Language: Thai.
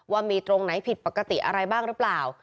ว่ามีตรงไหนผิดปกติอะไรบ้างหรือเปล่า